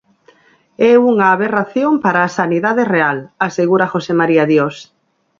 "É unha aberración para a sanidade real", asegura José María Dios.